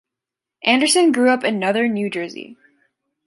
Anderson grew up in northern New Jersey.